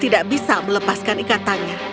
tidak bisa melepaskan ikatannya